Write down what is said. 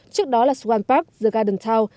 trước đó là swan park the garden town